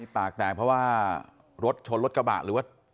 ปากแตกเพราะว่ารถชนรถกระบะหรือว่า